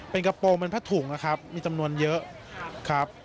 เป็นกระโปรงเป็นผ้าถุงนะครับมีจำนวนเยอะครับ